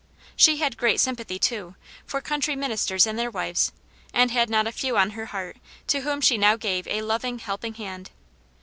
She had great sympathy, too, for country ministers and their wives, and had not a few on her heart to whom she now gave a loving, helping hand.